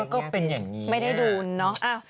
แล้วก็เป็นอย่างนี้ไม่ได้ดูเนาะ